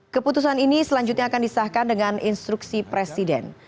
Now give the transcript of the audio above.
keputusan ini selanjutnya akan disahkan dengan instruksi presiden